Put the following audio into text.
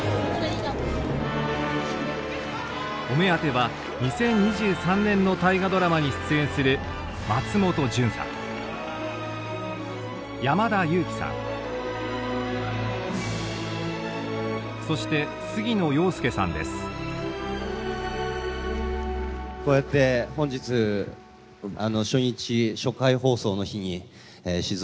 お目当ては２０２３年の「大河ドラマ」に出演するそしてこうやってああ！